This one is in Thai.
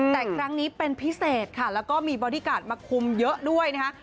แต่ครั้งนี้เป็นพิเศษค่ะแล้วก็มีบอดี้การ์ดมาคุมเยอะด้วยนะคะ